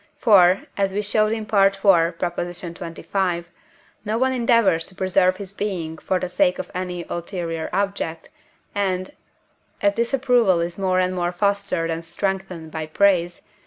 For (as we showed in IV. xxv.) no one endeavours to preserve his being for the sake of any ulterior object, and, as this approval is more and more fostered and strengthened by praise (III.